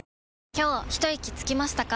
今日ひといきつきましたか？